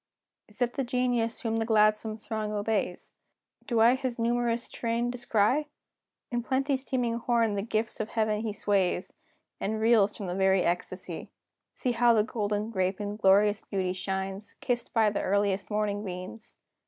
Is it the genius whom the gladsome throng obeys? Do I his numerous train descry? In plenty's teeming horn the gifts of heaven he sways, And reels from very ecstacy! See how the golden grape in glorious beauty shines, Kissed by the earliest morning beams!